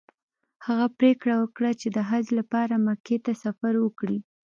هغه پریکړه وکړه چې د حج لپاره مکې ته سفر وکړي.